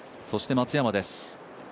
そして松山です。